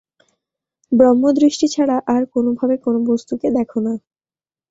ব্রহ্মদৃষ্টি ছাড়া আর কোনভাবে কোন বস্তুকে দেখো না।